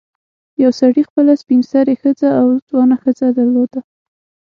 یو سړي خپله سپین سرې ښځه او ځوانه ښځه درلوده.